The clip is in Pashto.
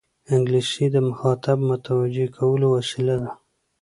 انګلیسي د مخاطب متوجه کولو وسیله ده